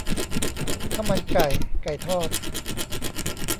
ข้าวมันไก่ ไก่ทอด